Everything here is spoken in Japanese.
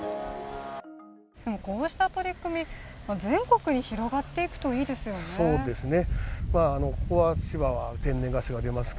こうした取り組み、全力に広がっていくといいですよね。